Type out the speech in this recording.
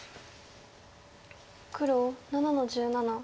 黒７の十七。